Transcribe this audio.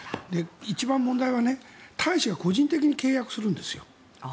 一番問題は大使が個人的に契約するんです。